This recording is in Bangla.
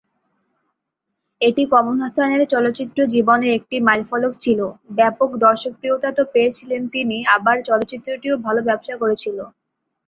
এটি কমল হাসানের চলচ্চিত্র জীবনের একটি মাইলফলক ছিলো, ব্যাপক দর্শকপ্রিয়তা তো পেয়েছিলেন তিনি আবার চলচ্চিত্রটিও ভালো ব্যবসা করেছিলো।